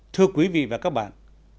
thưa quý vị và các bạn